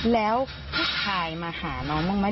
แล้วผู้ชายมาหาน้องบ้างไหม